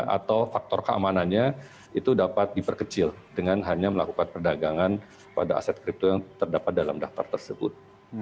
atau faktor keamanannya itu dapat diperkecil dengan hanya melakukan perdagangan pada aset kripto yang terdapat dalam daftar tersebut